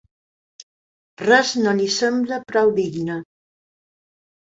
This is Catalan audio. Res no li sembla prou digne.